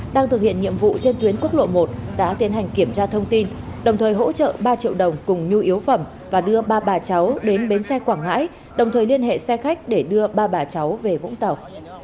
đang thực hiện nhiệm vụ trên tuyến quốc lộ một đã tiến hành kiểm tra thông tin đồng thời hỗ trợ ba triệu đồng cùng nhu yếu phẩm và đưa ba bà cháu đến bến xe quảng ngãi đồng thời liên hệ xe khách để đưa ba bà cháu về vũng tàu